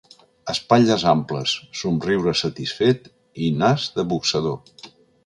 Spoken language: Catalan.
Espatlles amples, somriure satisfet i nas de boxador.